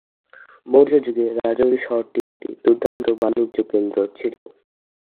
মৌর্য যুগে রাজৌরি শহরটি একটি দুর্দান্ত বাণিজ্য কেন্দ্র ছিল।